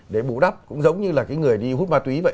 để bù đắp cũng giống như là cái người đi hút ma túy vậy